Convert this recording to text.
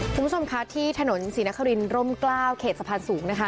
คุณผู้ชมคะที่ถนนศรีนครินร่มกล้าวเขตสะพานสูงนะคะ